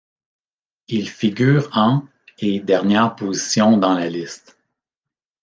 Il figure en et dernière position dans la liste.